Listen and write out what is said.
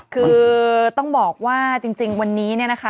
คือต้องบอกว่าจริงวันนี้เนี่ยนะคะ